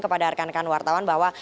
kepada rekan rekan wartawan bahwa